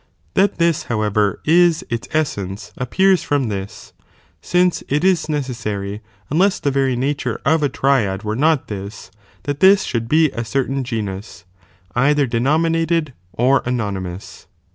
That this however is its essence appears from this, since it is neces sary, unless the very nature of a triad were not this, that this should be a certain genus, either denominated or anonymous.